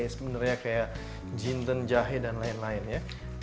sebenarnya kayak jintan jahe dan lain lain ya